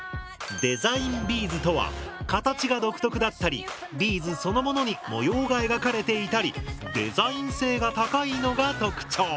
デザインビーズとは形が独特だったりビーズそのものに模様が描かれていたりデザイン性が高いのが特徴。